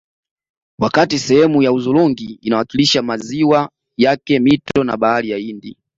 Wakati sehemu ya hudhurungi inawakilisha maziwa yake mito na Bahari ya Hindi